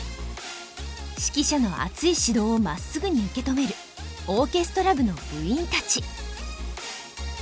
指揮者の熱い指導をまっすぐに受け止めるオーケストラ部の部員たち。